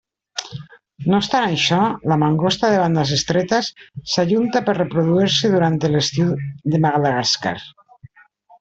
No obstant això, la mangosta de bandes estretes, s'ajunta per reproduir-se durant l'estiu de Madagascar.